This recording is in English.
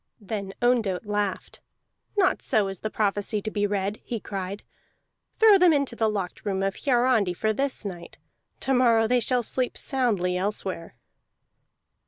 Then Ondott laughed. "Not so is the prophecy to be read!" he cried. "Throw them into the locked room of Hiarandi for this night. To morrow they shall sleep soundly elsewhere."